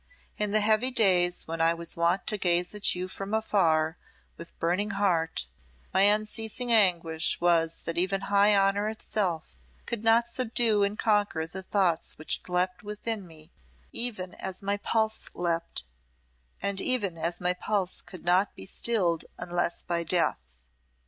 In the heavy days when I was wont to gaze at you from afar with burning heart, my unceasing anguish was that even high honour itself could not subdue and conquer the thoughts which leaped within me even as my pulse leaped, and even as my pulse could not be stilled unless by death.